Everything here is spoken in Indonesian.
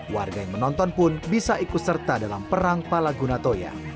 warga yang menonton pun bisa ikut serta dalam perang palaguna toya